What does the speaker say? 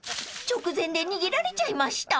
［直前で逃げられちゃいました］